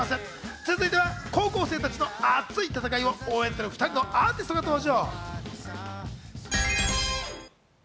続いては高校生たちの熱い戦いを応援する２人のアーティストが登場。